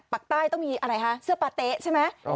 ปากใต้ต้องมีอะไรคะเสื้อปาเต๊ะใช่ไหม